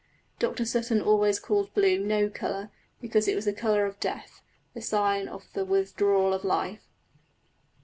Dr Sutton always called blue no colour, because it was the colour of death, the sign of the withdrawal of life."